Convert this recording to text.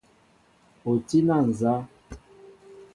O tí na nzá ?